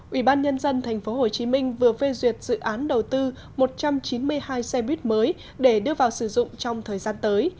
ủy ban nhân dân tp hcm vừa phê duyệt dự án đầu tư một trăm chín mươi hai xe buýt mới để đưa vào sử dụng trong thời gian tới